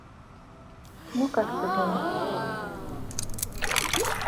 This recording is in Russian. Ну, как ты думаешь?